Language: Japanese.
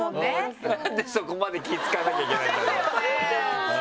なんでそこまで気使わなきゃいけないんだろうな。